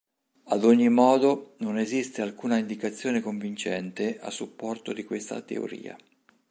Ad ogni modo, non esiste alcuna indicazione convincente a supporto di questa teoria.